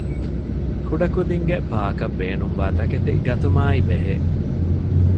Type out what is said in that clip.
ކުޑަކުދިންގެ ޕާކަށް ބޭނުންވާ ތަކެތި ގަތުމާއި ބެހޭ